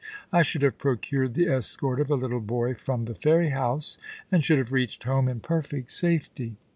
I should have procured the escort of a little boy from the Ferry House, and should have reached home in perfect safety.